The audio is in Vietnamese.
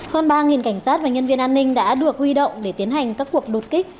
hơn ba cảnh sát và nhân viên an ninh đã được huy động để tiến hành các cuộc đột kích